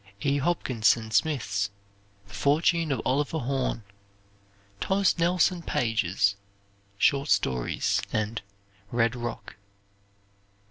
E. Hopkinson Smith's "The Fortune of Oliver Horn." Thomas Nelson Page's "Short Stories," and "Red Rock."